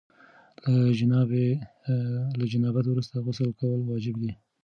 له جنابت وروسته غسل کول واجب دي.